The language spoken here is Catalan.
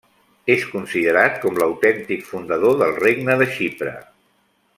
És considerat com l'autèntic fundador del regne de Xipre.